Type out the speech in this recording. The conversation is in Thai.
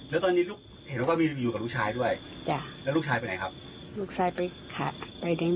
แล้วตอนนี้ลูกเห็นว่ามีอยู่กับลูกชายด้วยจ้ะแล้วลูกชายไปไหนครับ